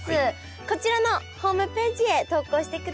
こちらのホームページへ投稿してください。